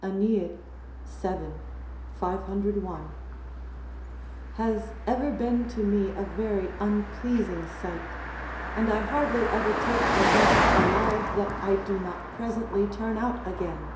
AEnead, vii. 501.] has ever been to me a very unpleasing sight; and I hardly ever take a beast alive that I do not presently turn out again.